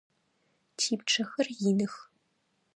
Типчъэхэр иных.